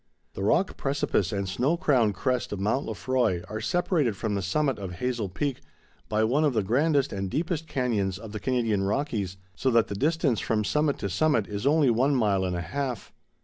The rock precipice and snow crowned crest of Mount Lefroy are separated from the summit of Hazel Peak by one of the grandest and deepest canyons of the Canadian Rockies, so that the distance from summit to summit is only one mile and a half.